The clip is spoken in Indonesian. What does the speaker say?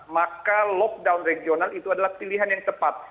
maka lockdown regional itu adalah pilihan yang tepat